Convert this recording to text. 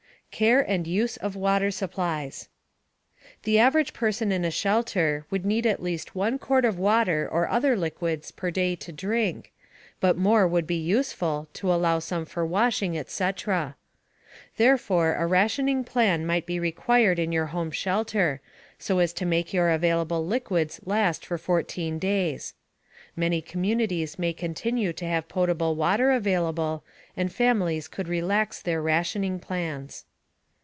CARE AND USE OF WATER SUPPLIES The average person in a shelter would need at least 1 quart of water or other liquids per day to drink, but more would be useful (to allow some for washing, etc.). Therefore a rationing plan might be required in your home shelter, so as to make your available liquids last for 14 days. (Many communities may continue to have potable water available, and families could relax their rationing plans.)